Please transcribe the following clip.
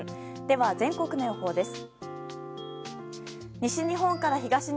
では、全国の予報です。